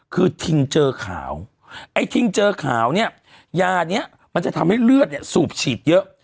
คือทิงเจอขาวไอ้ทิงเจอขาวเนี่ยยานี้มันจะทำให้เลือดเนี่ยสูบฉีดเยอะ